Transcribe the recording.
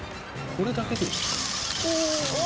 これだけで？